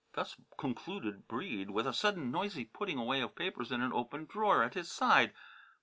Thus concluded Breede, with a sudden noisy putting away of papers in an open drawer at his side.